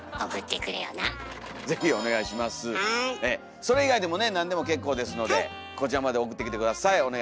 それ以外でもね何でも結構ですのでこちらまで送ってきて下さい。